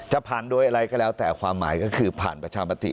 จะผ่านโดยอะไรก็แล้วแต่ความหมายก็คือผ่านประชามติ